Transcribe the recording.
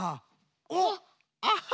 おっアハ！